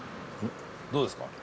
どうですか？